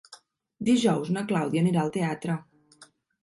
Dijous na Clàudia anirà al teatre.